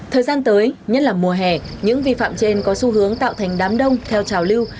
thời gian tới nhất là mùa hè những vi phạm trên có xu hướng tạo thành đám đông theo trào lưu